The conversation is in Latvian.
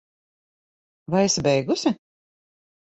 Vai esi beigusi?